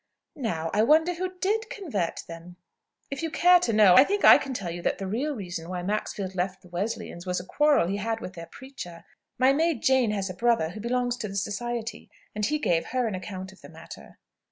"Now, I wonder who did convert them." "If you care to know, I think I can tell you that the real reason why Maxfield left the Wesleyans, was a quarrel he had with their preacher. My maid Jane has a brother who belongs to the Society; and he gave her an account of the matter."